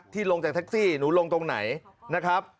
ลงจากแท็กซี่หนูลงตรงไหนนะครับ